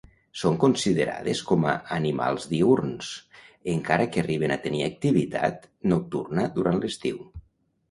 Són considerades com a animals diürns, encara que arriben a tenir activitat nocturna durant l'estiu.